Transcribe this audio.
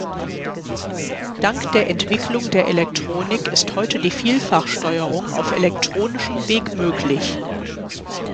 Dank der Entwicklung der Elektronik ist heute die Vielfachsteuerung auf elektronischem Weg möglich.